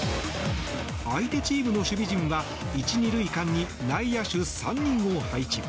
相手チームの守備陣は１・２塁間に内野手３人を配置。